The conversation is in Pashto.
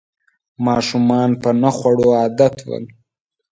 ماشومان په نه خوړو عادت ول